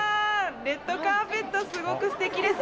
レッドカーペットすごく素敵です。